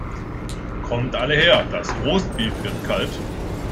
Kommt alle her, das Roastbeef wird kalt!